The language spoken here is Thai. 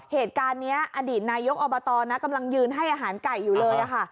เหตุการณ์นี้อดีตนายกอบตกำลังยืนให้อาหารไก่อยู่เลยค่ะ